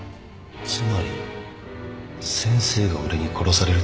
つまり先生が俺に殺されるって事？